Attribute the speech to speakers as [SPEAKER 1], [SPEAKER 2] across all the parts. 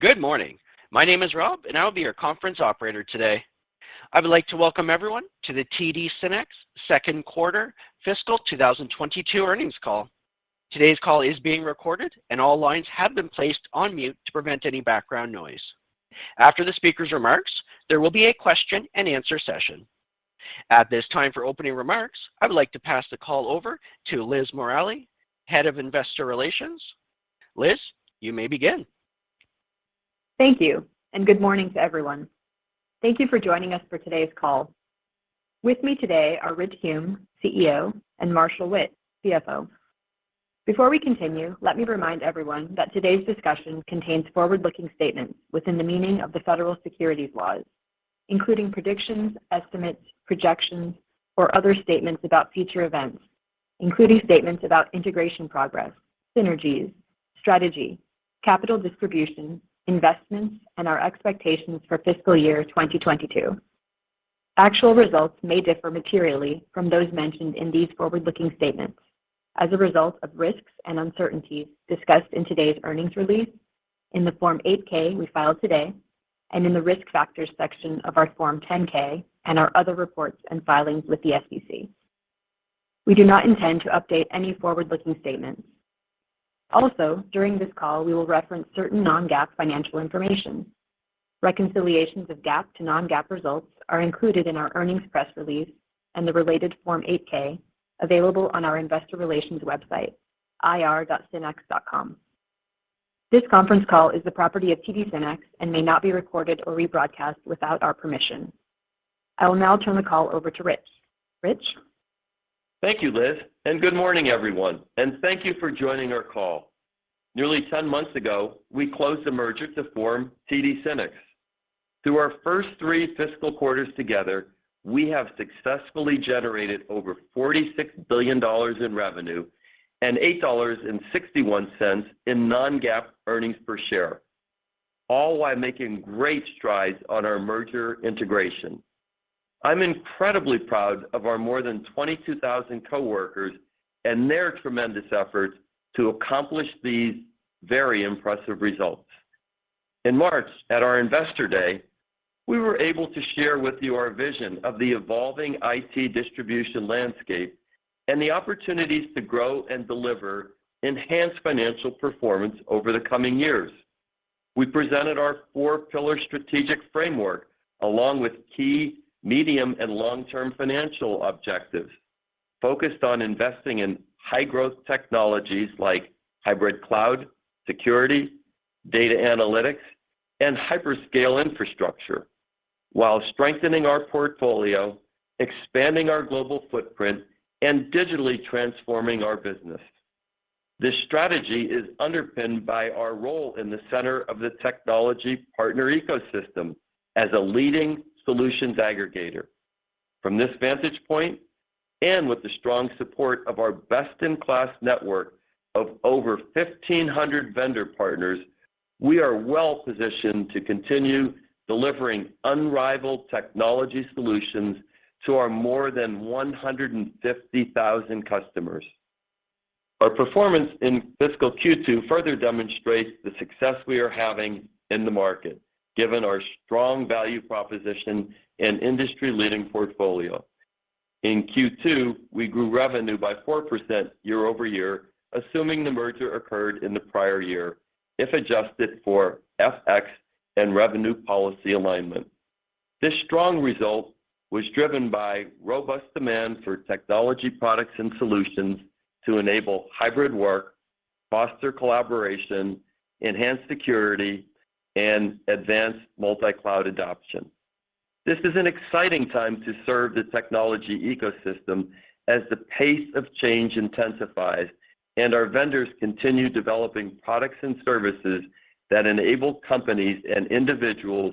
[SPEAKER 1] Good morning. My name is Rob, and I'll be your conference operator today. I would like to welcome everyone to the TD SYNNEX second quarter fiscal 2022 earnings call. Today's call is being recorded, and all lines have been placed on mute to prevent any background noise. After the speaker's remarks, there will be a question-and-answer session. At this time, for opening remarks, I would like to pass the call over to Liz Morali, Head of Investor Relations. Liz, you may begin.
[SPEAKER 2] Thank you, and good morning to everyone. Thank you for joining us for today's call. With me today are Rich Hume, CEO, and Marshall Witt, CFO. Before we continue, let me remind everyone that today's discussion contains forward-looking statements within the meaning of the federal securities laws, including predictions, estimates, projections, or other statements about future events, including statements about integration progress, synergies, strategy, capital distribution, investments, and our expectations for fiscal year 2022. Actual results may differ materially from those mentioned in these forward-looking statements as a result of risks and uncertainties discussed in today's earnings release, in the Form 8-K we filed today, and in the Risk Factors section of our Form 10-K and our other reports and filings with the SEC. We do not intend to update any forward-looking statements. Also, during this call, we will reference certain non-GAAP financial information. Reconciliations of GAAP to non-GAAP results are included in our earnings press release and the related Form 8-K available on our investor relations website, ir.synnex.com. This conference call is the property of TD SYNNEX and may not be recorded or rebroadcast without our permission. I will now turn the call over to Rich. Rich?
[SPEAKER 3] Thank you, Liz, and good morning, everyone, and thank you for joining our call. Nearly 10 months ago, we closed the merger to form TD SYNNEX. Through our first three fiscal quarters together, we have successfully generated over $46 billion in revenue and $8.61 in non-GAAP earnings per share, all while making great strides on our merger integration. I'm incredibly proud of our more than 22,000 coworkers and their tremendous efforts to accomplish these very impressive results. In March, at our Investor Day, we were able to share with you our vision of the evolving IT distribution landscape and the opportunities to grow and deliver enhanced financial performance over the coming years. We presented our 4-pillar strategic framework along with key medium- and long-term financial objectives focused on investing in high-growth technologies like hybrid cloud, security, data analytics, and hyperscale infrastructure while strengthening our portfolio, expanding our global footprint, and digitally transforming our business. This strategy is underpinned by our role in the center of the technology partner ecosystem as a leading solutions aggregator. From this vantage point, and with the strong support of our best-in-class network of over 1,500 vendor partners, we are well-positioned to continue delivering unrivaled technology solutions to our more than 150,000 customers. Our performance in fiscal Q2 further demonstrates the success we are having in the market, given our strong value proposition and industry-leading portfolio. In Q2, we grew revenue by 4% year-over-year, assuming the merger occurred in the prior year if adjusted for FX and revenue policy alignment. This strong result was driven by robust demand for technology products and solutions to enable hybrid work, foster collaboration, enhance security, and advance multi-cloud adoption. This is an exciting time to serve the technology ecosystem as the pace of change intensifies and our vendors continue developing products and services that enable companies and individuals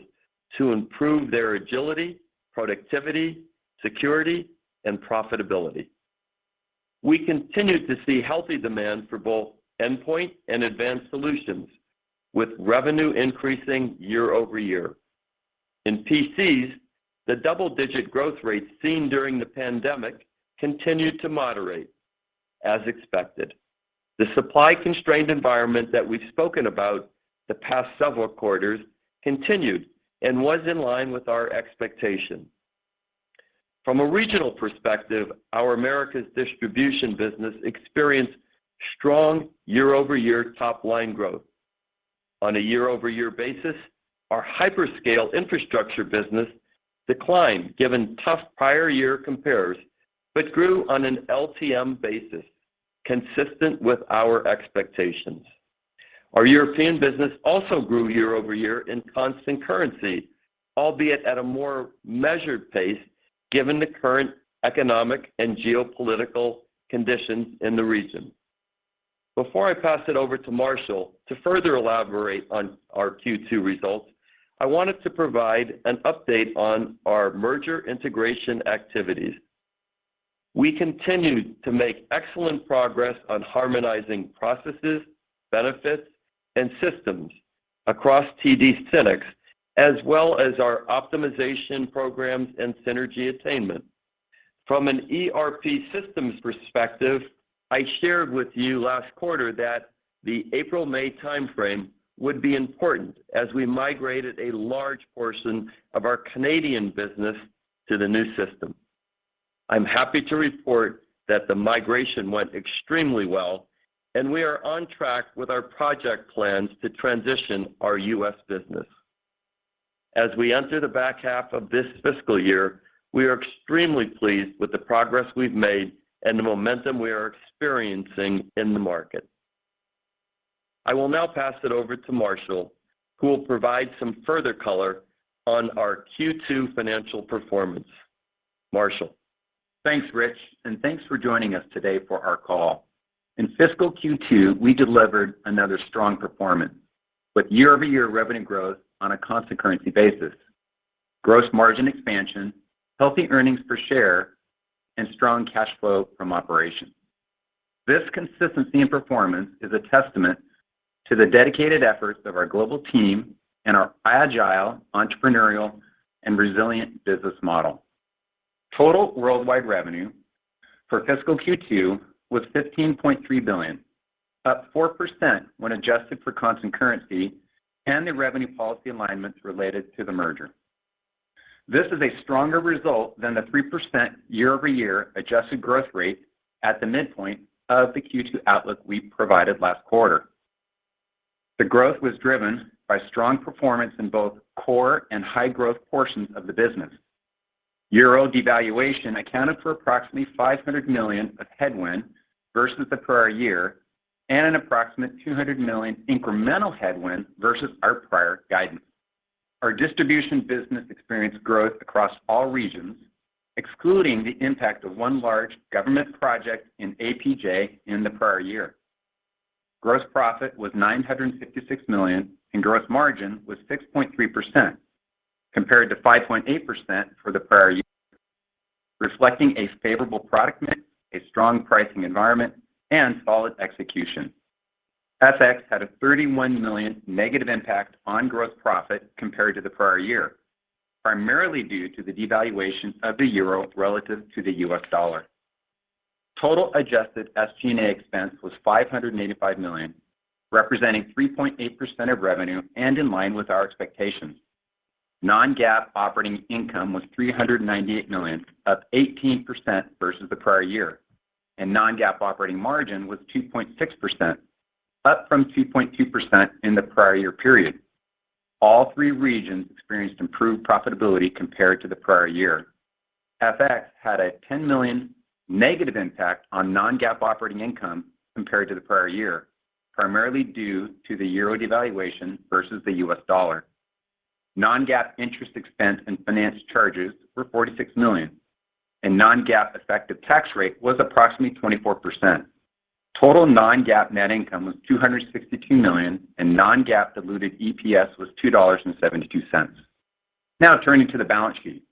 [SPEAKER 3] to improve their agility, productivity, security, and profitability. We continue to see healthy demand for both Endpoint and Advanced Solutions, with revenue increasing year-over-year. In PCs, the double-digit growth rates seen during the pandemic continued to moderate as expected. The supply-constrained environment that we've spoken about the past several quarters continued and was in line with our expectations. From a regional perspective, our Americas distribution business experienced strong year-over-year top-line growth. On a year-over-year basis, our hyperscale infrastructure business declined given tough prior year compares, but grew on an LTM basis consistent with our expectations. Our European business also grew year over year in constant currency, albeit at a more measured pace given the current economic and geopolitical conditions in the region. Before I pass it over to Marshall to further elaborate on our Q2 results, I wanted to provide an update on our merger integration activities. We continue to make excellent progress on harmonizing processes, benefits, and systems across TD SYNNEX, as well as our optimization programs and synergy attainment. From an ERP systems perspective, I shared with you last quarter that the April-May timeframe would be important as we migrated a large portion of our Canadian business to the new system. I'm happy to report that the migration went extremely well, and we are on track with our project plans to transition our U.S. business. As we enter the back half of this fiscal year, we are extremely pleased with the progress we've made and the momentum we are experiencing in the market. I will now pass it over to Marshall, who will provide some further color on our Q2 financial performance. Marshall.
[SPEAKER 4] Thanks, Rich, and thanks for joining us today for our call. In fiscal Q2, we delivered another strong performance with year-over-year revenue growth on a constant currency basis, gross margin expansion, healthy earnings per share, and strong cash flow from operations. This consistency in performance is a testament to the dedicated efforts of our global team and our agile, entrepreneurial, and resilient business model. Total worldwide revenue for fiscal Q2 was $15.3 billion, up 4% when adjusted for constant currency and the revenue policy alignments related to the merger. This is a stronger result than the 3% year-over-year adjusted growth rate at the midpoint of the Q2 outlook we provided last quarter. The growth was driven by strong performance in both core and high-growth portions of the business. EUR devaluation accounted for approximately $500 million of headwind versus the prior year and an approximate $200 million incremental headwind versus our prior guidance. Our distribution business experienced growth across all regions, excluding the impact of one large government project in APJ in the prior year. Gross profit was $956 million, and gross margin was 6.3% compared to 5.8% for the prior year, reflecting a favorable product mix, a strong pricing environment, and solid execution. FX had a $31 million negative impact on gross profit compared to the prior year, primarily due to the devaluation of the euro relative to the U.S. dollar. Total adjusted SG&A expense was $585 million, representing 3.8% of revenue and in line with our expectations. Non-GAAP operating income was $398 million, up 18% versus the prior year, and non-GAAP operating margin was 2.6%, up from 2.2% in the prior year period. All three regions experienced improved profitability compared to the prior year. FX had a $10 million negative impact on non-GAAP operating income compared to the prior year, primarily due to the euro devaluation versus the US dollar. Non-GAAP interest expense and finance charges were $46 million, and non-GAAP effective tax rate was approximately 24%. Total non-GAAP net income was $262 million, and non-GAAP diluted EPS was $2.72. Now turning to the balance sheet.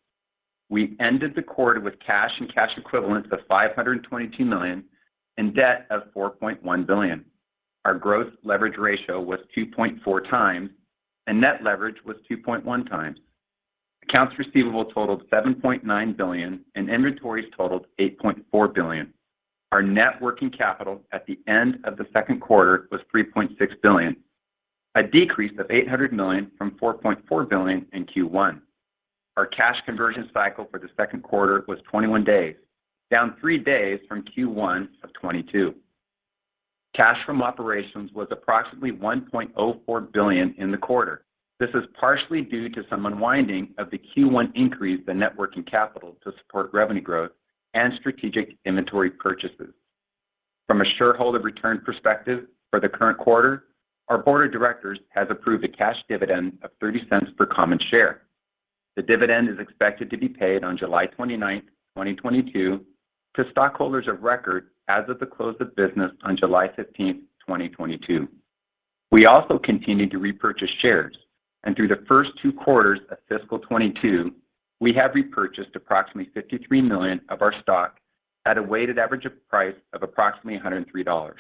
[SPEAKER 4] We ended the quarter with cash and cash equivalents of $522 million and debt of $4.1 billion. Our growth leverage ratio was 2.4 times, and net leverage was 2.1 times. Accounts receivable totaled $7.9 billion, and inventories totaled $8.4 billion. Our net working capital at the end of the second quarter was $3.6 billion, a decrease of $800 million from $4.4 billion in Q1. Our cash conversion cycle for the second quarter was 21 days, down 3 days from Q1 of 22. Cash from operations was approximately $1.04 billion in the quarter. This is partially due to some unwinding of the Q1 increase in net working capital to support revenue growth and strategic inventory purchases. From a shareholder return perspective for the current quarter, our board of directors has approved a cash dividend of $0.30 per common share. The dividend is expected to be paid on July 29, 2022 to stockholders of record as of the close of business on July 15, 2022. We also continued to repurchase shares, and through the first two quarters of fiscal 2022, we have repurchased approximately $53 million of our stock at a weighted average price of approximately $103,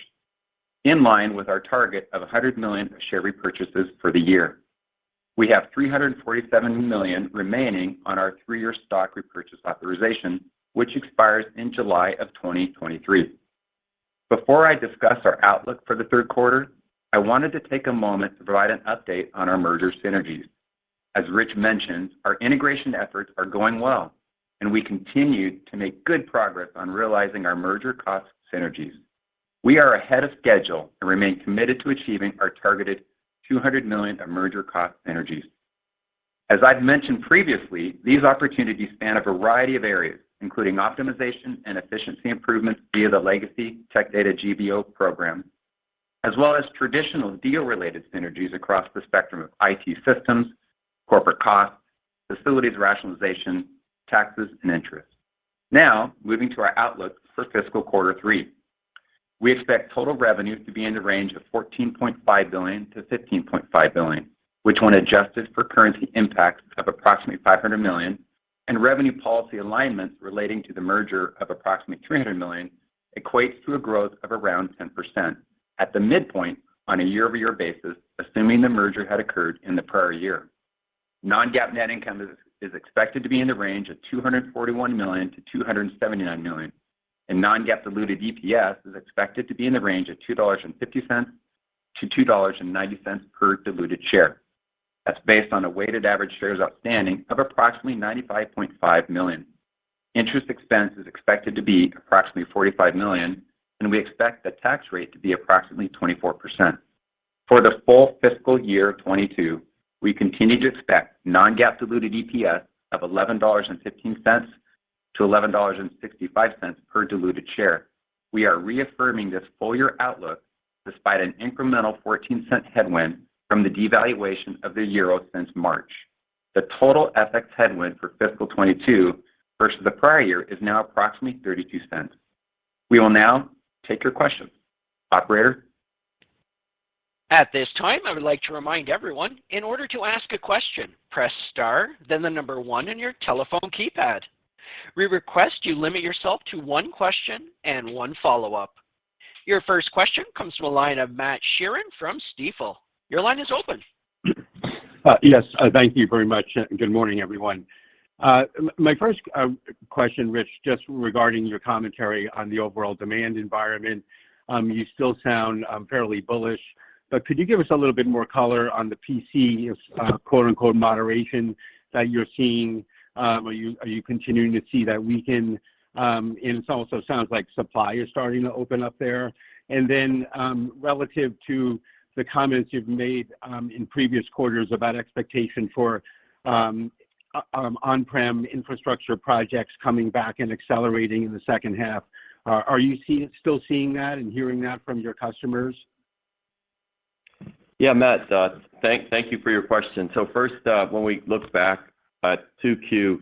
[SPEAKER 4] in line with our target of $100 million share repurchases for the year. We have $347 million remaining on our three-year stock repurchase authorization, which expires in July of 2023. Before I discuss our outlook for the third quarter, I wanted to take a moment to provide an update on our merger synergies. As Rich mentioned, our integration efforts are going well, and we continue to make good progress on realizing our merger cost synergies. We are ahead of schedule and remain committed to achieving our targeted $200 million of merger cost synergies. As I've mentioned previously, these opportunities span a variety of areas, including optimization and efficiency improvements via the Legacy Tech Data GBO program, as well as traditional deal-related synergies across the spectrum of IT systems, corporate costs, facilities rationalization, taxes, and interest. Now, moving to our outlook for fiscal quarter three. We expect total revenue to be in the range of $14.5 billion-$15.5 billion, which when adjusted for currency impacts of approximately $500 million and revenue policy alignments relating to the merger of approximately $300 million equates to a growth of around 10% at the midpoint on a year-over-year basis, assuming the merger had occurred in the prior year. Non-GAAP net income is expected to be in the range of $241 million-$279 million, and non-GAAP diluted EPS is expected to be in the range of $2.50-$2.90 per diluted share. That's based on a weighted average shares outstanding of approximately 95.5 million. Interest expense is expected to be approximately $45 million, and we expect the tax rate to be approximately 24%. For the full fiscal year of 2022, we continue to expect non-GAAP diluted EPS of $11.15-$11.65 per diluted share. We are reaffirming this full year outlook despite an incremental $0.14 headwind from the devaluation of the euro since March. The total FX headwind for fiscal 2022 versus the prior year is now approximately $0.32.
[SPEAKER 3] We will now take your questions. Operator?
[SPEAKER 1] At this time, I would like to remind everyone, in order to ask a question, press star then the number one on your telephone keypad. We request you limit yourself to one question and one follow-up. Your first question comes from the line of Matthew Sheerin from Stifel. Your line is open.
[SPEAKER 5] Yes. Thank you very much, and good morning, everyone. My first question, Rich, just regarding your commentary on the overall demand environment, you still sound fairly bullish, but could you give us a little bit more color on the PC quote unquote moderation that you're seeing? Are you continuing to see that weaken? It also sounds like supply is starting to open up there. Relative to the comments you've made in previous quarters about expectation for on-prem infrastructure projects coming back and accelerating in the second half, are you still seeing that and hearing that from your customers?
[SPEAKER 3] Yeah, Matt, thank you for your question. First, when we look back at 2Q,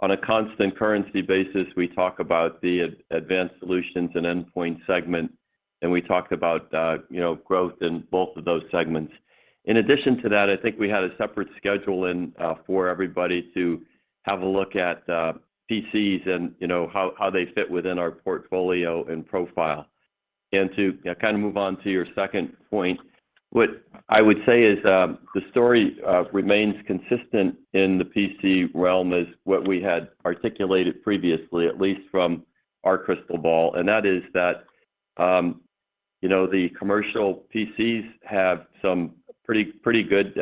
[SPEAKER 3] on a constant currency basis, we talk about the Advanced Solutions and Endpoint Solutions segment, and we talked about, you know, growth in both of those segments. In addition to that, I think we had a separate schedule in for everybody to have a look at, PCs and, you know, how they fit within our portfolio and profile. To, you know, kind of move on to your second point, what I would say is, the story remains consistent in the PC realm as what we had articulated previously, at least from our crystal ball. That is that, you know, the commercial PCs have some pretty good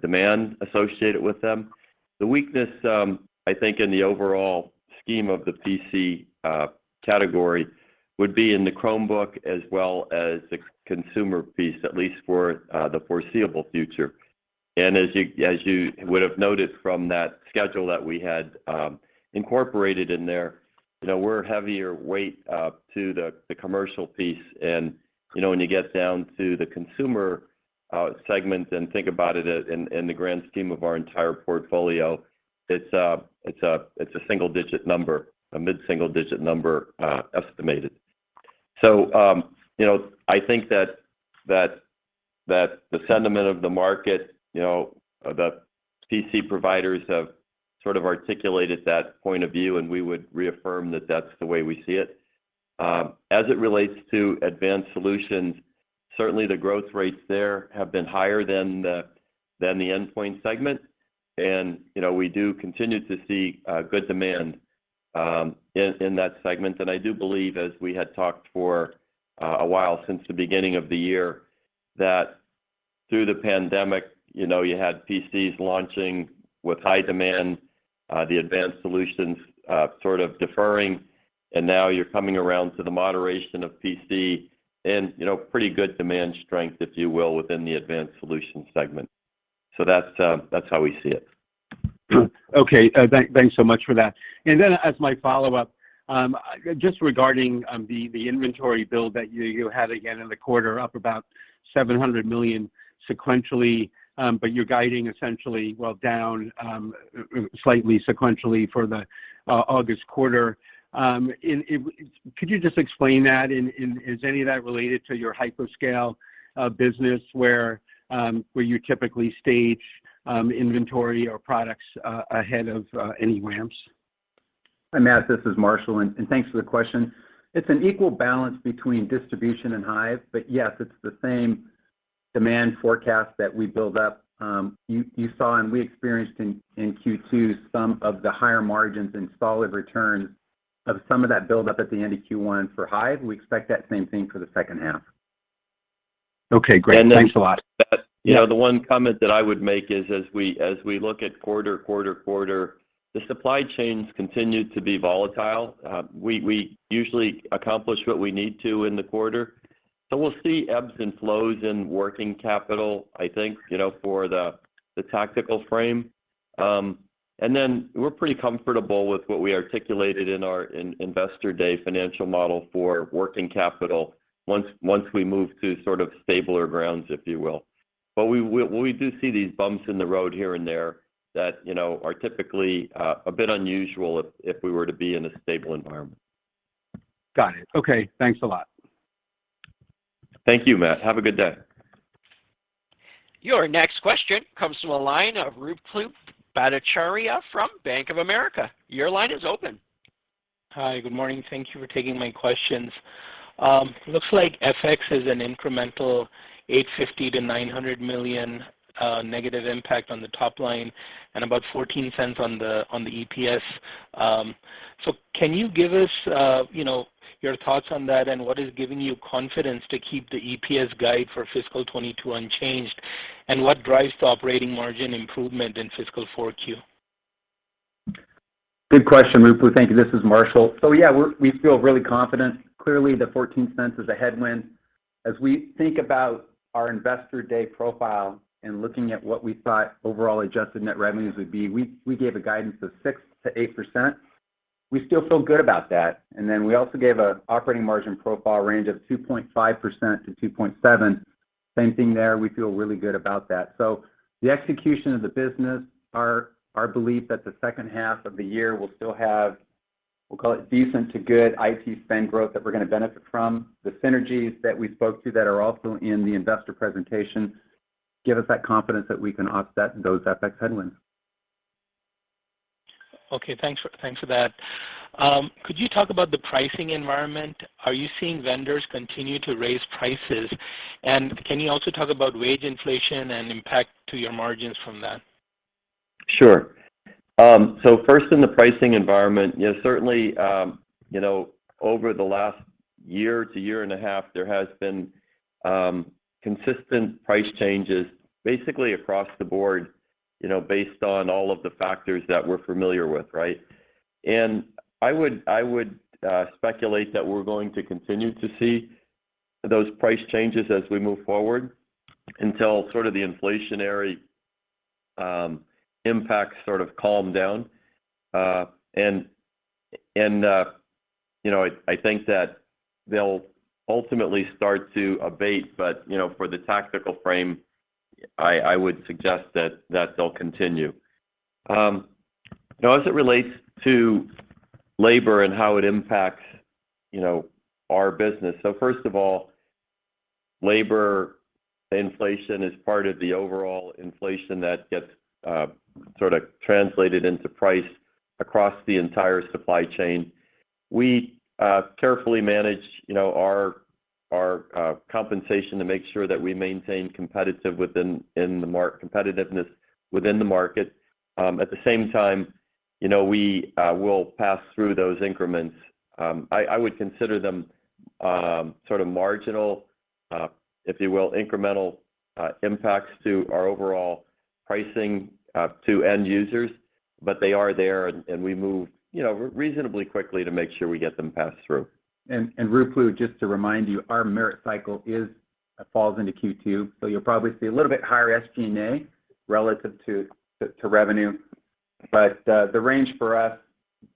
[SPEAKER 3] demand associated with them. The weakness, I think in the overall scheme of the PC category would be in the Chromebook as well as the consumer piece, at least for the foreseeable future. As you would have noticed from that schedule that we had incorporated in there, you know, we're heavier weight to the commercial piece. You know, when you get down to the consumer segment and think about it in the grand scheme of our entire portfolio, it's a single-digit number, a mid-single digit number, estimated. You know, I think that the sentiment of the market, you know, the PC providers have sort of articulated that point of view, and we would reaffirm that that's the way we see it. As it relates to Advanced Solutions, certainly the growth rates there have been higher than the Endpoint Solutions segment. You know, we do continue to see good demand in that segment. I do believe, as we had talked for a while since the beginning of the year, that through the pandemic, you know, you had PCs launching with high demand, the Advanced Solutions sort of deferring, and now you're coming around to the moderation of PC and, you know, pretty good demand strength, if you will, within the Advanced Solutions segment. That's how we see it.
[SPEAKER 5] Okay. Thanks so much for that. As my follow-up, just regarding the inventory build that you had again in the quarter up about $700 million sequentially, but you're guiding essentially well down slightly sequentially for the August quarter. Could you just explain that? Is any of that related to your hyperscale business where you typically stage inventory or products ahead of any ramps?
[SPEAKER 4] Hi, Matt, this is Marshall, and thanks for the question. It's an equal balance between distribution and Hyve, but yes, it's the same demand forecast that we build up. You saw and we experienced in Q2 some of the higher margins and solid returns of some of that buildup at the end of Q1 for Hyve. We expect that same thing for the second half.
[SPEAKER 5] Okay, great.
[SPEAKER 3] And then-
[SPEAKER 5] Thanks a lot.
[SPEAKER 3] You know, the one comment that I would make is as we look at the quarter, the supply chains continue to be volatile. We usually accomplish what we need to in the quarter, so we'll see ebbs and flows in working capital, I think, you know, for the tactical frame. We're pretty comfortable with what we articulated in our investor day financial model for working capital once we move to sort of stabler grounds, if you will. We do see these bumps in the road here and there that, you know, are typically a bit unusual if we were to be in a stable environment.
[SPEAKER 5] Got it. Okay. Thanks a lot.
[SPEAKER 3] Thank you, Matt. Have a good day.
[SPEAKER 1] Your next question comes from a line of Ruplu Bhattacharya from Bank of America. Your line is open.
[SPEAKER 6] Hi, good morning. Thank you for taking my questions. Looks like FX is an incremental $850 million-$900 million negative impact on the top line and about $0.14 on the EPS. Can you give us, you know, your thoughts on that, and what is giving you confidence to keep the EPS guide for fiscal 2022 unchanged? What drives the operating margin improvement in fiscal 4Q?
[SPEAKER 4] Good question, Ruplu. Thank you. This is Marshall. Yeah, we feel really confident. Clearly, the $0.14 is a headwind. As we think about our investor day profile and looking at what we thought overall adjusted net revenues would be, we gave a guidance of 6%-8%. We still feel good about that. Then we also gave a operating margin profile range of 2.5%-2.7%. Same thing there. We feel really good about that. The execution of the business, our belief that the second half of the year will still have, we'll call it decent to good IT spend growth that we're gonna benefit from, the synergies that we spoke to that are also in the investor presentation, give us that confidence that we can offset those FX headwinds.
[SPEAKER 6] Okay. Thanks for that. Could you talk about the pricing environment? Are you seeing vendors continue to raise prices? Can you also talk about wage inflation and impact to your margins from that?
[SPEAKER 3] Sure. First in the pricing environment, you know, certainly, you know, over the last year to year and a half, there has been consistent price changes basically across the board, you know, based on all of the factors that we're familiar with, right? I would speculate that we're going to continue to see those price changes as we move forward until sort of the inflationary impacts sort of calm down. You know, I think that they'll ultimately start to abate, but you know, for the tactical frame, I would suggest that they'll continue. Now as it relates to labor and how it impacts, you know, our business. First of all, labor inflation is part of the overall inflation that gets sort of translated into price across the entire supply chain. We carefully manage, you know, our compensation to make sure that we maintain competitiveness within the market. At the same time, you know, we will pass through those increments. I would consider them sort of marginal, if you will, incremental impacts to our overall pricing to end users, but they are there and we move, you know, reasonably quickly to make sure we get them passed through.
[SPEAKER 4] Ruplu, just to remind you, our merit cycle falls into Q2, so you'll probably see a little bit higher SG&A relative to revenue. The range for us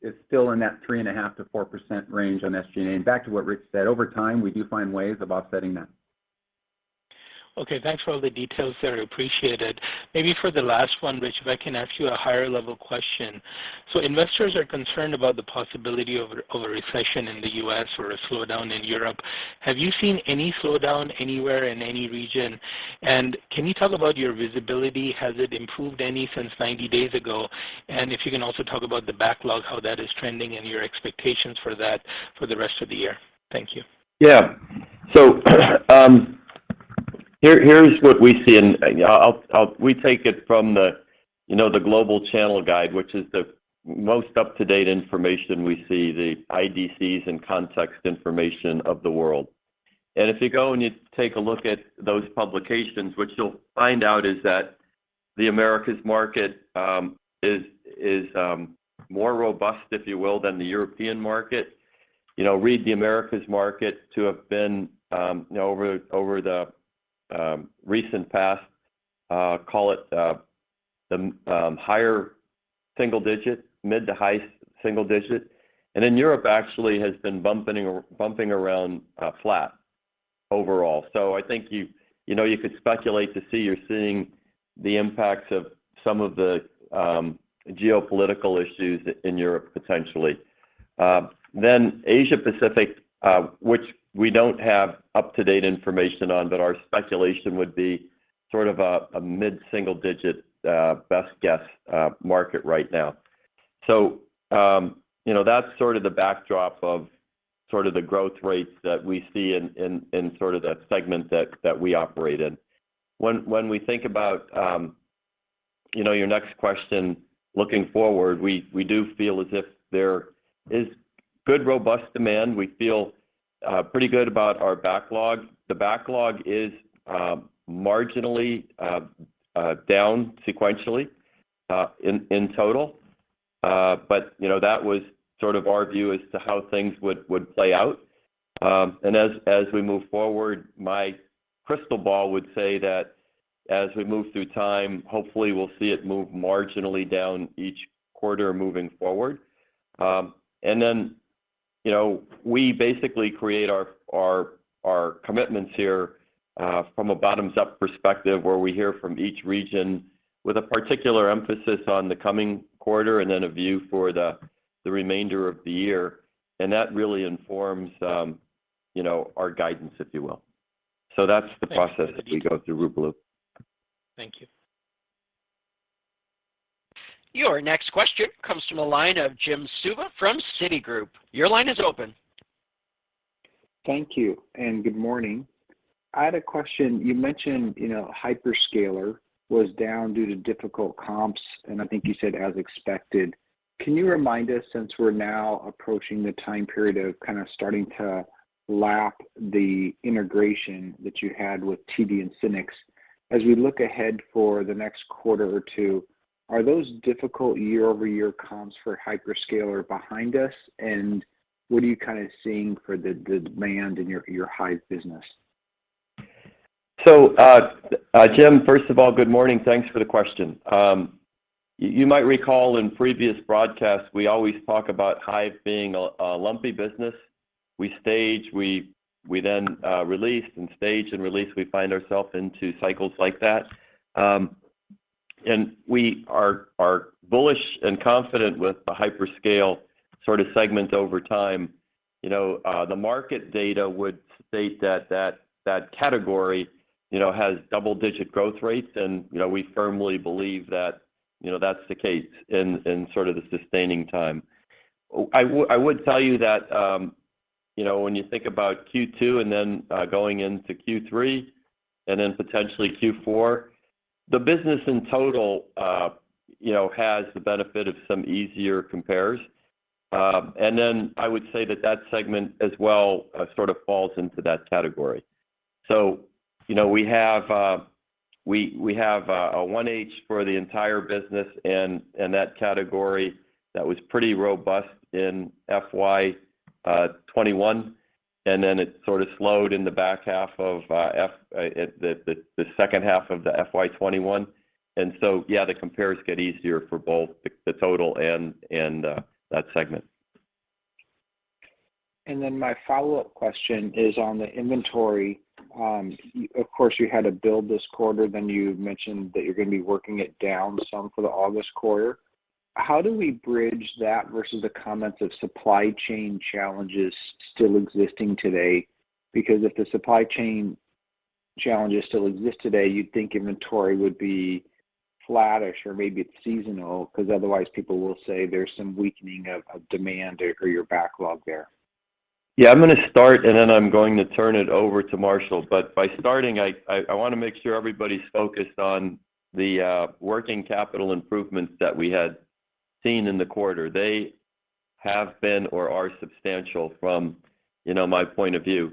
[SPEAKER 4] is still in that 3.5%-4% range on SG&A. Back to what Rich said, over time, we do find ways of offsetting that.
[SPEAKER 6] Okay. Thanks for all the details there. Appreciated. Maybe for the last one, Rich, if I can ask you a higher level question. Investors are concerned about the possibility of a recession in the U.S. or a slowdown in Europe. Have you seen any slowdown anywhere in any region? And can you talk about your visibility? Has it improved any since 90 days ago? And if you can also talk about the backlog, how that is trending and your expectations for that for the rest of the year. Thank you.
[SPEAKER 3] Here is what we see and we take it from you know the Global Channel Guide, which is the most up-to-date information we see, the IDC's and Canalys information of the world. If you go and you take a look at those publications, what you'll find out is that the Americas market is more robust, if you will, than the European market. You know, we read the Americas market to have been, you know, over the recent past, call it, the high single-digit%, mid- to high single-digit%. Then Europe actually has been bumping around, flat overall. I think you know you could speculate that you're seeing the impacts of some of the geopolitical issues in Europe potentially. Asia Pacific, which we don't have up-to-date information on, but our speculation would be sort of a mid-single digit best guess market right now. You know, that's sort of the backdrop of sort of the growth rates that we see in sort of that segment that we operate in. When we think about, you know, your next question looking forward, we do feel as if there is good, robust demand. We feel pretty good about our backlog. The backlog is marginally down sequentially in total. You know, that was sort of our view as to how things would play out. As we move forward, my crystal ball would say that as we move through time, hopefully we'll see it move marginally down each quarter moving forward. You know, we basically create our commitments here from a bottoms-up perspective, where we hear from each region with a particular emphasis on the coming quarter and then a view for the remainder of the year. That really informs, you know, our guidance, if you will. That's the process that we go through, Ruplu.
[SPEAKER 6] Thank you.
[SPEAKER 1] Your next question comes from the line of Jim Suva from Citigroup. Your line is open.
[SPEAKER 7] Thank you, and good morning. I had a question. You mentioned, you know, hyperscaler was down due to difficult comps, and I think you said as expected. Can you remind us, since we're now approaching the time period of kind of starting to lap the integration that you had with TD and SYNNEX, as we look ahead for the next quarter or two, are those difficult year-over-year comps for hyperscaler behind us? And what are you kind of seeing for the demand in your Hyve business?
[SPEAKER 3] Jim, first of all, good morning. Thanks for the question. You might recall in previous broadcasts, we always talk about Hyve being a lumpy business. We stage, we then release and stage and release. We find ourselves into cycles like that. We are bullish and confident with the hyperscale sort of segment over time. You know, the market data would state that category, you know, has double-digit growth rates and, you know, we firmly believe that, you know, that's the case in sort of the sustaining time. I would tell you that, you know, when you think about Q2, and then going into Q3, and then potentially Q4, the business in total, you know, has the benefit of some easier compares. I would say that segment as well sort of falls into that category. You know, we have a 1H for the entire business and that category that was pretty robust in FY 2021, and then it sort of slowed in the second half of FY 2021. Yeah, the compares get easier for both the total and that segment.
[SPEAKER 7] My follow-up question is on the inventory. Of course, you had to build this quarter, then you mentioned that you're gonna be working it down some for the August quarter. How do we bridge that versus the comments of supply chain challenges still existing today? Because if the supply chain challenges still exist today, you'd think inventory would be flattish, or maybe it's seasonal because otherwise people will say there's some weakening of demand or your backlog there.
[SPEAKER 3] Yeah, I'm gonna start, and then I'm going to turn it over to Marshall. By starting, I wanna make sure everybody's focused on the working capital improvements that we had seen in the quarter. They have been or are substantial from, you know, my point of view.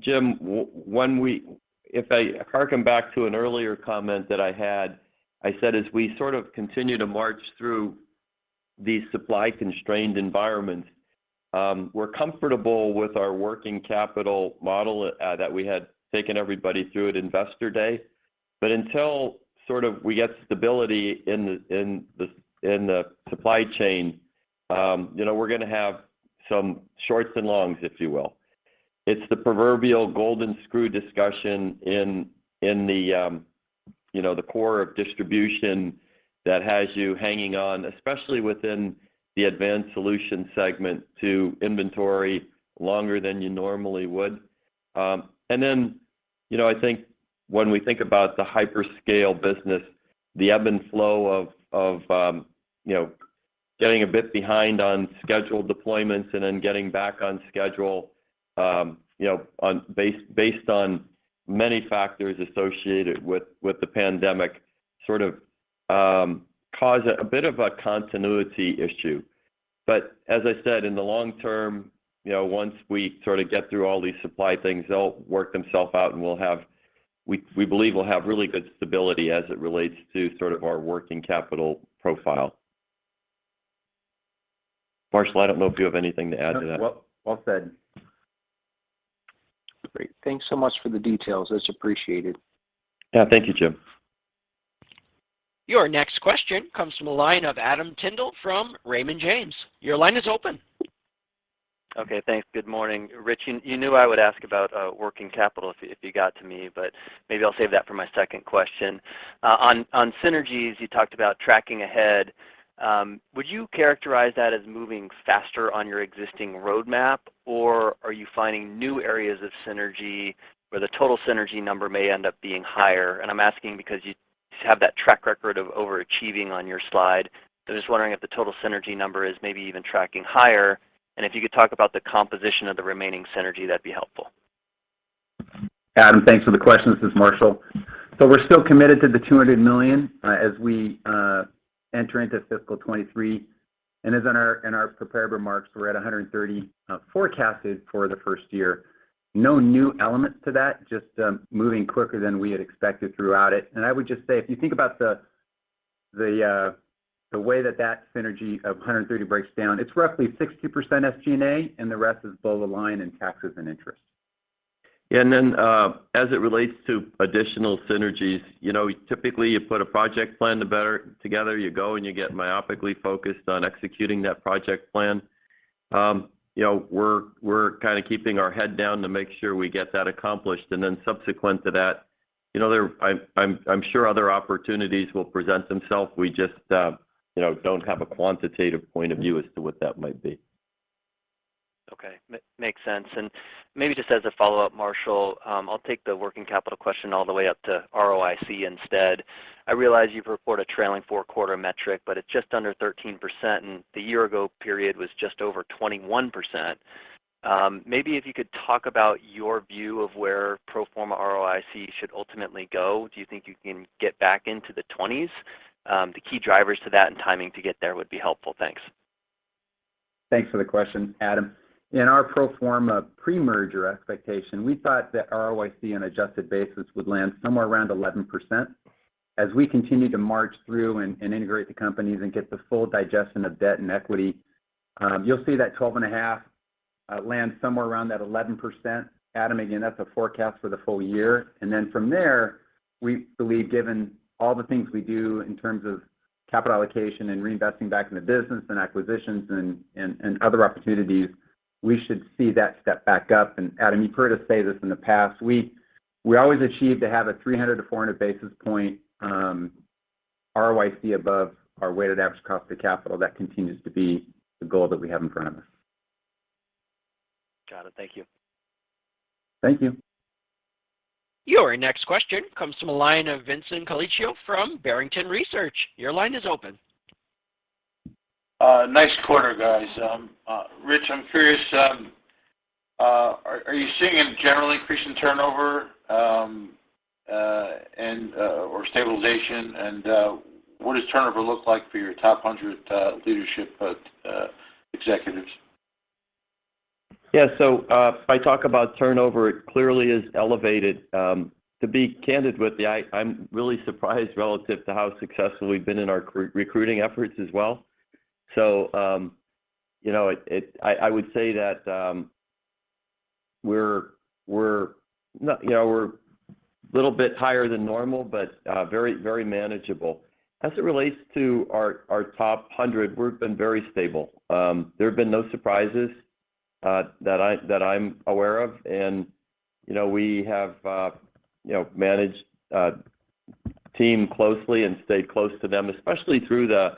[SPEAKER 3] Jim, if I hearken back to an earlier comment that I had, I said as we sort of continue to march through these supply-constrained environments, we're comfortable with our working capital model that we had taken everybody through at Investor Day. Until sort of we get stability in the supply chain, you know, we're gonna have some shorts and longs, if you will. It's the proverbial golden screw discussion in the, you know, the core of distribution that has you hanging on, especially within the Advanced Solutions segment to inventory longer than you normally would. Then, you know, I think when we think about the hyperscale business, the ebb and flow of, you know, getting a bit behind on scheduled deployments and then getting back on schedule, you know, based on many factors associated with the pandemic sort of cause a bit of a continuity issue. As I said, in the long term, you know, once we sort of get through all these supply things, they'll work themselves out, and we'll have. We believe we'll have really good stability as it relates to sort of our working capital profile. Marshall, I don't know if you have anything to add to that.
[SPEAKER 4] No. Well, well said.
[SPEAKER 7] Great. Thanks so much for the details. It's appreciated.
[SPEAKER 3] Yeah. Thank you, Jim.
[SPEAKER 1] Your next question comes from a line of Adam Tindle from Raymond James. Your line is open.
[SPEAKER 8] Okay. Thanks. Good morning. Rich, you knew I would ask about working capital if you got to me, but maybe I'll save that for my second question. On synergies, you talked about tracking ahead. Would you characterize that as moving faster on your existing roadmap, or are you finding new areas of synergy where the total synergy number may end up being higher? I'm asking because you have that track record of overachieving on your slide. Just wondering if the total synergy number is maybe even tracking higher. If you could talk about the composition of the remaining synergy, that'd be helpful.
[SPEAKER 4] Adam, thanks for the question. This is Marshall. We're still committed to the $200 million as we enter into fiscal 2023. As in our prepared remarks, we're at $130 forecasted for the first year. No new elements to that, just moving quicker than we had expected throughout it. I would just say, if you think about the way that synergy of $130 breaks down, it's roughly 60% SG&A, and the rest is below the line in taxes and interest.
[SPEAKER 3] Yeah, as it relates to additional synergies, you know, typically you put a project plan, the better together you go, and you get myopically focused on executing that project plan. You know, we're kind of keeping our head down to make sure we get that accomplished. Subsequent to that, you know, I'm sure other opportunities will present themselves. We just, you know, don't have a quantitative point of view as to what that might be.
[SPEAKER 8] Makes sense. Maybe just as a follow-up, Marshall, I'll take the working capital question all the way up to ROIC instead. I realize you've reported a trailing four quarter metric, but it's just under 13%, and the year ago period was just over 21%. Maybe if you could talk about your view of where pro forma ROIC should ultimately go. Do you think you can get back into the twenties? The key drivers to that and timing to get there would be helpful. Thanks.
[SPEAKER 4] Thanks for the question, Adam. In our pro forma pre-merger expectation, we thought that ROIC on adjusted basis would land somewhere around 11%. As we continue to march through and integrate the companies and get the full digestion of debt and equity, you'll see that 12.5 land somewhere around that 11%. Adam, again, that's a forecast for the full year. From there, we believe given all the things we do in terms of capital allocation and reinvesting back in the business and acquisitions and other opportunities, we should see that step back up. Adam, you've heard us say this in the past. We always strive to have a 300-400 basis point ROIC above our weighted average cost of capital.
[SPEAKER 3] That continues to be the goal that we have in front of us.
[SPEAKER 8] Got it. Thank you.
[SPEAKER 3] Thank you.
[SPEAKER 1] Your next question comes from a line of Vincent Colicchio from Barrington Research. Your line is open.
[SPEAKER 9] Nice quarter, guys. Rich, I'm curious, are you seeing a general increase in turnover and/or stabilization? What does turnover look like for your top 100 leadership executives?
[SPEAKER 3] Yeah. If I talk about turnover, it clearly is elevated. To be candid with you, I'm really surprised relative to how successful we've been in our recruiting efforts as well. You know, I would say that we're not. You know, we're a little bit higher than normal, but very manageable. As it relates to our top hundred, we've been very stable. There have been no surprises that I'm aware of. You know, we have you know, managed team closely and stayed close to them, especially through the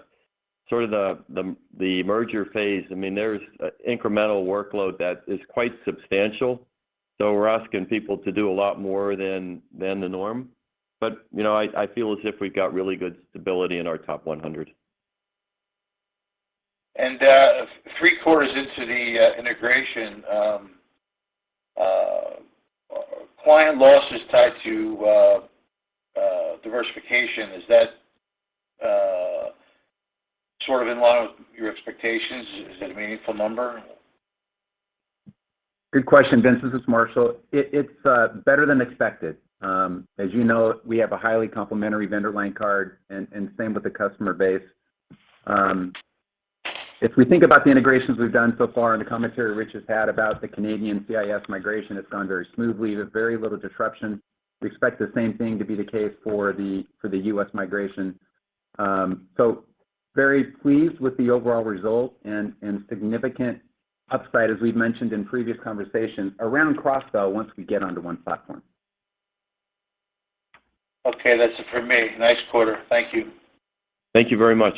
[SPEAKER 3] sort of the merger phase. I mean, there's incremental workload that is quite substantial, so we're asking people to do a lot more than the norm. you know, I feel as if we've got really good stability in our top 100.
[SPEAKER 9] Three quarters into the integration, client loss is tied to diversification. Is that sort of in line with your expectations? Is it a meaningful number?
[SPEAKER 4] Good question, Vincent. This is Marshall. It's better than expected. As you know, we have a highly complementary vendor line card and same with the customer base. If we think about the integrations we've done so far and the commentary Rich has had about the Canadian CIS migration, it's gone very smoothly with very little disruption. We expect the same thing to be the case for the US migration. Very pleased with the overall result and significant upside, as we've mentioned in previous conversations around cross-sell once we get onto one platform.
[SPEAKER 9] Okay. That's it for me. Nice quarter. Thank you.
[SPEAKER 3] Thank you very much.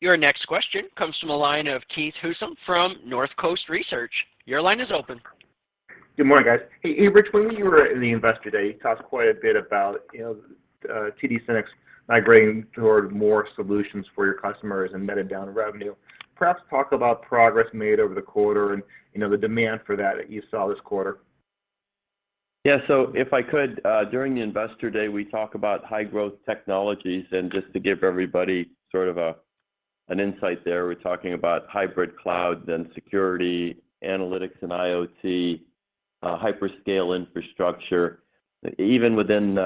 [SPEAKER 1] Your next question comes from a line of Keith Housum from Northcoast Research. Your line is open.
[SPEAKER 10] Good morning, guys. Hey, Rich, when you were in the Investor Day, you talked quite a bit about, you know, TD SYNNEX migrating toward more solutions for your customers and netted down revenue. Perhaps talk about progress made over the quarter and, you know, the demand for that you saw this quarter?
[SPEAKER 3] Yeah. If I could, during the Investor Day, we talk about high growth technologies. Just to give everybody sort of an insight there, we're talking about hybrid cloud and security, analytics and IoT, hyperscale infrastructure. Even within,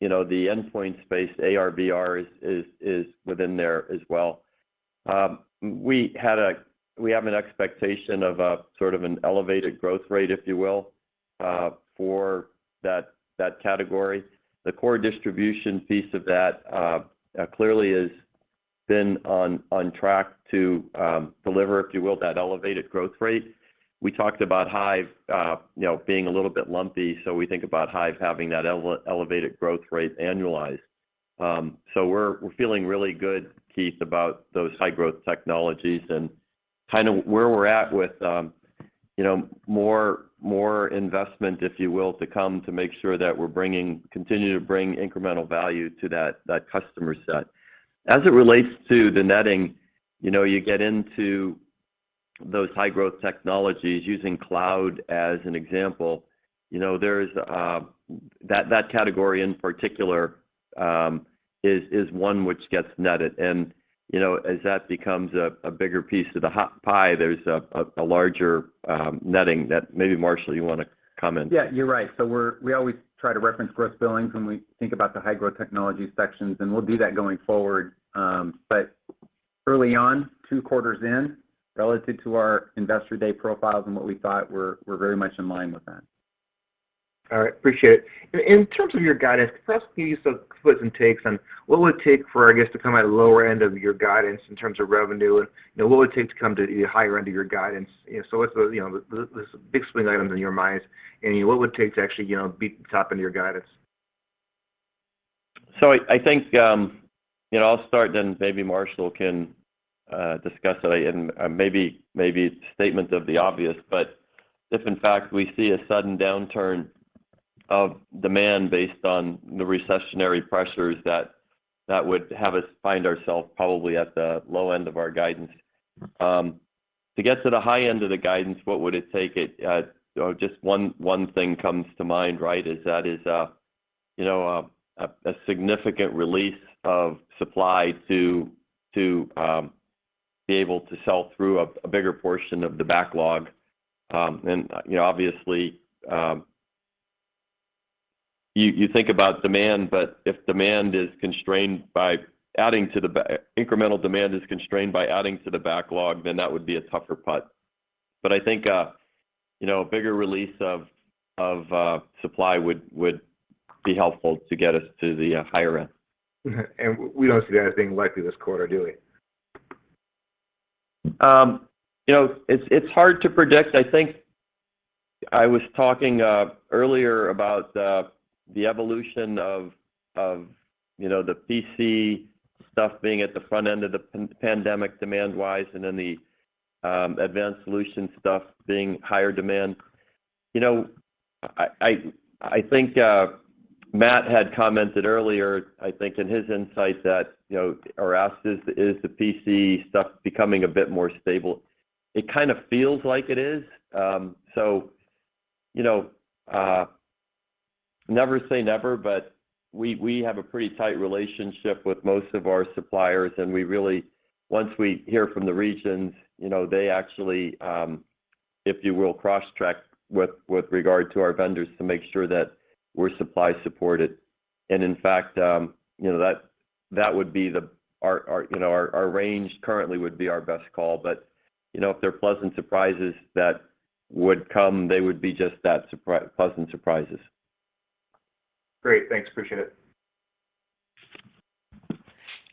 [SPEAKER 3] you know, the endpoint space, AR/VR is within there as well. We have an expectation of a sort of an elevated growth rate, if you will, for that category. The core distribution piece of that clearly has been on track to deliver, if you will, that elevated growth rate. We talked about Hyve, you know, being a little bit lumpy, so we think about Hyve having that elevated growth rate annualized. We're feeling really good, Keith, about those high growth technologies and kind of where we're at with, you know, more investment, if you will, to come to make sure that we continue to bring incremental value to that customer set. As it relates to the netting, you know, you get into those high growth technologies using cloud as an example. You know, there's that category in particular is one which gets netted. You know, as that becomes a larger netting that maybe, Marshall, you want to comment. Yeah, you're right. We always try to reference gross billings when we think about the high growth technology sections, and we'll do that going forward. Early on, 2 quarters in, relative to our Investor Day profiles and what we thought, we're very much in line with that.
[SPEAKER 10] All right. Appreciate it. In terms of your guidance, perhaps give me some puts and takes on what would it take for, I guess, to come at a lower end of your guidance in terms of revenue, and, you know, what would it take to come to the higher end of your guidance? You know, so what's the, you know, the big swing items in your minds, and what would it take to actually, you know, beat the top end of your guidance?
[SPEAKER 3] I think, you know, I'll start then maybe Marshall can discuss it and maybe statement of the obvious, but if in fact we see a sudden downturn of demand based on the recessionary pressures that would have us find ourselves probably at the low end of our guidance. To get to the high end of the guidance, what would it take? Just one thing comes to mind, right? That is, you know, a significant release of supply to be able to sell through a bigger portion of the backlog. You know, obviously, you think about demand, but if incremental demand is constrained by adding to the backlog, then that would be a tougher putt. I think, you know, a bigger release of supply would be helpful to get us to the higher end.
[SPEAKER 10] We don't see that as being likely this quarter, do we?
[SPEAKER 3] You know, it's hard to predict. I think I was talking earlier about the evolution of you know the PC stuff being at the front end of the pandemic demand-wise, and then the advanced solution stuff being higher demand. You know, I think Matt had commented earlier, I think, in his insight that you know or asked is the PC stuff becoming a bit more stable. It kind of feels like it is. You know, never say never, but we have a pretty tight relationship with most of our suppliers, and we really. Once we hear from the regions, you know, they actually, if you will, cross-check with regard to our vendors to make sure that we're supply supported. In fact, you know, that would be our range currently would be our best call. You know, if there are pleasant surprises that would come, they would be just that pleasant surprises.
[SPEAKER 10] Great. Thanks. Appreciate it.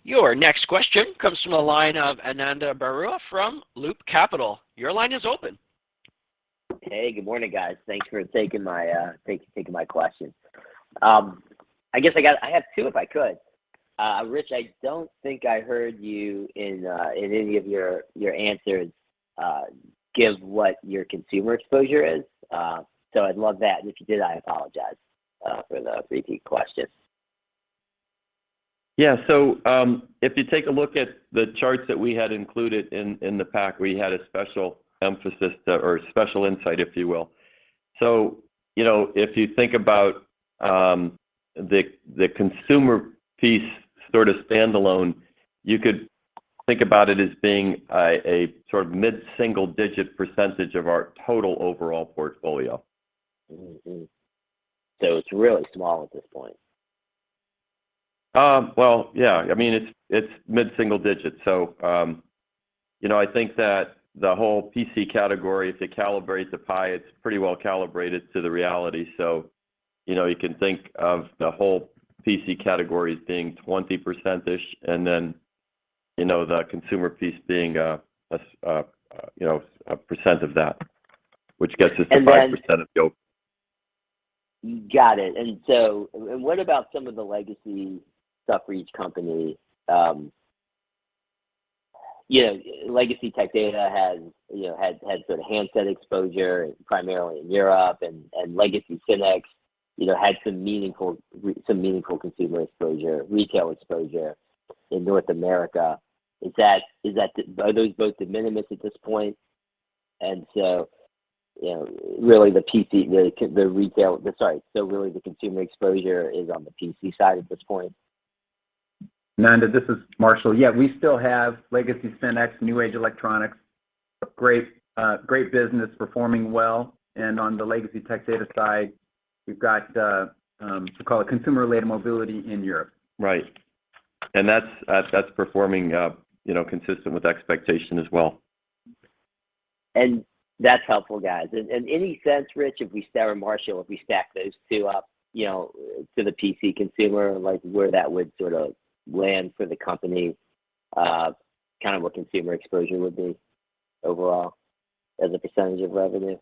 [SPEAKER 1] Your next question comes from the line of Ananda Baruah from Loop Capital. Your line is open.
[SPEAKER 11] Hey, good morning, guys. Thanks for taking my question. I guess I have two, if I could. Rich, I don't think I heard you in any of your answers give what your consumer exposure is. I'd love that, and if you did, I apologize for the repeat question.
[SPEAKER 3] Yeah. If you take a look at the charts that we had included in the pack, we had a special emphasis or special insight, if you will. You know, if you think about the consumer piece sort of standalone, you could think about it as being a sort of mid-single digit % of our total overall portfolio.
[SPEAKER 11] It's really small at this point.
[SPEAKER 3] Well, yeah. I mean, it's mid-single digits. You know, I think that the whole PC category, if it calibrates a pie, it's pretty well calibrated to the reality. You know, you can think of the whole PC category as being 20%-ish, and then, you know, the consumer piece being a percent of that, which gets us to 5% of the whole.
[SPEAKER 11] Got it. What about some of the legacy stuff for each company? You know, legacy Tech Data has had sort of handset exposure primarily in Europe and legacy SYNNEX had some meaningful consumer exposure, retail exposure in North America. Are those both de minimis at this point? You know, really the PC, the retail. So really the consumer exposure is on the PC side at this point.
[SPEAKER 4] Ananda, this is Marshall. Yeah, we still have legacy SYNNEX, New Age Electronics, great business performing well. On the legacy Tech Data side, we've got, we call it consumer-related mobility in Europe.
[SPEAKER 3] Right. That's performing, you know, consistent with expectation as well.
[SPEAKER 11] That's helpful, guys. In any sense, Rich, or Marshall, if we stack those two up, you know, to the PC consumer, like where that would sort of land for the company, kind of what consumer exposure would be overall as a percentage of revenue?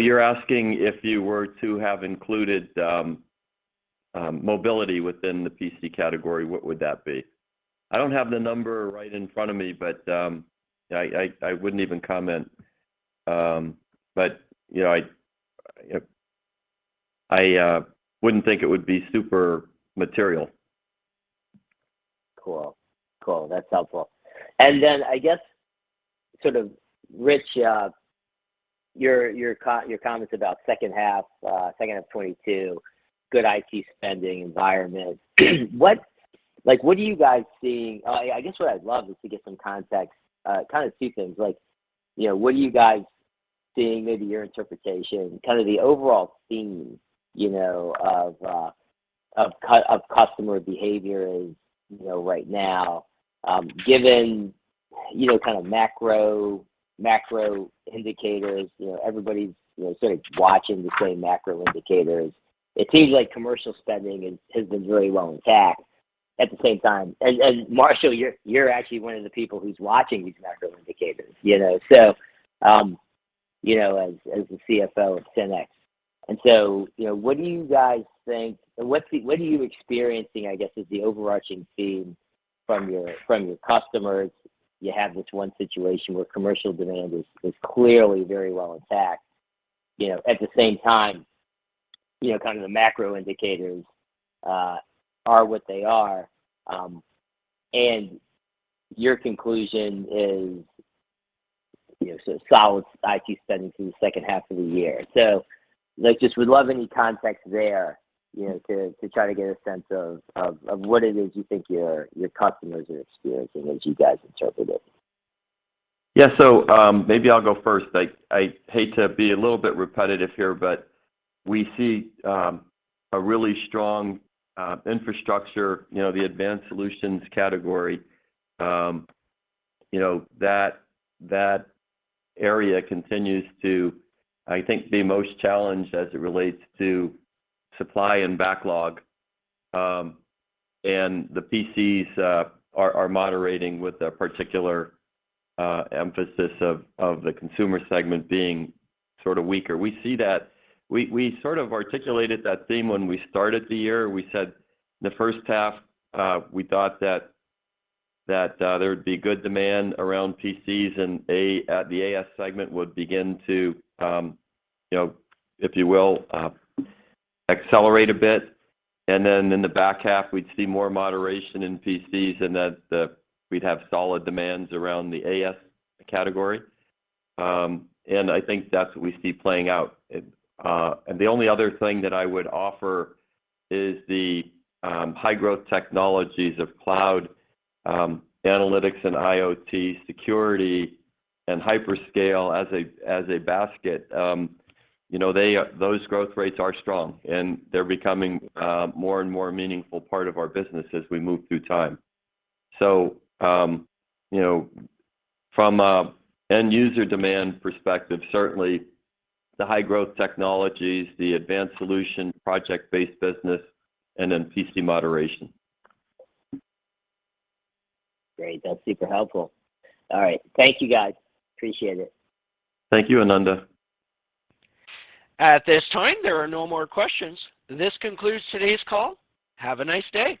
[SPEAKER 3] You're asking if you were to have included mobility within the PC category, what would that be? I don't have the number right in front of me, but I wouldn't even comment. You know, I wouldn't think it would be super material.
[SPEAKER 11] Cool. That's helpful. I guess sort of, Rich, your comments about second half 2022, good IT spending environment. Like, what are you guys seeing? I guess what I'd love is to get some context, kind of two things. Like, you know, what are you guys seeing, maybe your interpretation, kind of the overall theme, you know, of customer behavior is, you know, right now, given, you know, kind of macro indicators. You know, everybody's, you know, sort of watching the same macro indicators. It seems like commercial spending has been very well intact. At the same time, Marshall, you're actually one of the people who's watching these macro indicators, you know, so, you know, as the CFO of SYNNEX. You know, what are you experiencing, I guess, is the overarching theme from your customers? You have this one situation where commercial demand is clearly very well intact. You know, at the same time, you know, kind of the macro indicators are what they are, and your conclusion is, you know, so solid IT spending through the second half of the year. Like, just would love any context there, you know, to try to get a sense of what it is you think your customers are experiencing as you guys interpret it.
[SPEAKER 3] Yeah. Maybe I'll go first. I hate to be a little bit repetitive here, but we see a really strong infrastructure, you know, the Advanced Solutions category, you know, that area continues to, I think, be most challenged as it relates to supply and backlog. The PCs are moderating with a particular emphasis of the consumer segment being sort of weaker. We see that. We sort of articulated that theme when we started the year. We said the first half we thought that there would be good demand around PCs and the AS segment would begin to, you know, if you will, accelerate a bit, and then in the back half, we'd see more moderation in PCs and that we'd have solid demands around the AS category. I think that's what we see playing out. The only other thing that I would offer is the high growth technologies of cloud, analytics and IoT security and hyperscale as a basket. You know, those growth rates are strong, and they're becoming a more and more meaningful part of our business as we move through time. From an end user demand perspective, certainly the high growth technologies, the Advanced Solutions, project-based business and then PC moderation.
[SPEAKER 11] Great. That's super helpful. All right. Thank you guys. Appreciate it.
[SPEAKER 3] Thank you, Ananda.
[SPEAKER 1] At this time, there are no more questions. This concludes today's call. Have a nice day.